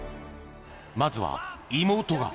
まずは妹が。